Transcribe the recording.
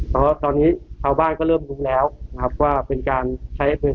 แต่ว่าตอนนี้ชาวบ้านก็เริ่มรู้แล้วนะครับว่าเป็นการใช้ปืน